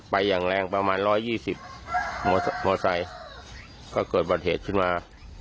ไปอย่างแรงประมาณ๑๒๐มไซค์ก็เกิดประเทศขึ้นมา